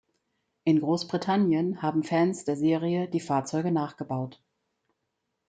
In Großbritannien haben Fans der Serie die Fahrzeuge nachgebaut.